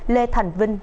lê thành vinh